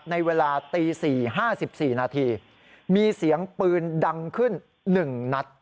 ในเวลาตี๔๕๔นาทีมีเสียงปืนดังขึ้น๑นัด